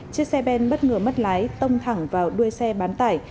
chiếc xe ben bất ngờ mất lái tông thẳng vào đuôi xe bán tải